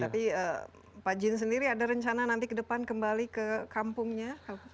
tapi pak jin sendiri ada rencana nanti ke depan kembali ke kampungnya